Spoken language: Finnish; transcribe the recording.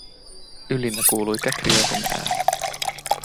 Ylinnä kuului Käkriäisen ääni.